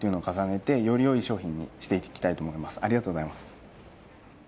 ありがとうございます